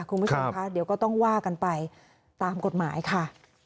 คุณผู้ชมคะเดี๋ยวก็ต้องว่ากันไปตามกฎหมายค่ะ